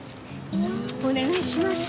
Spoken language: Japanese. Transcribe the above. お願いします。